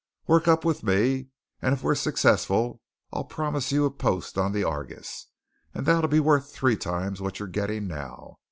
Work up with me, and if we're successful, I'll promise you a post on the Argus that'll be worth three times what you're getting now.